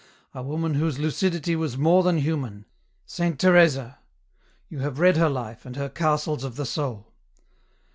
a woman whose lucidity was more than human — Saint Teresa. You have read her Hfe, and her ' Castles of the Soul